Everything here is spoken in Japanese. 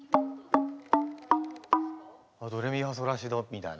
ドレミファソラシドみたいな。